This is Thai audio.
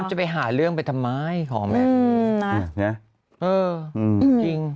จะไปหาเรื่องไปทำไมขอไหม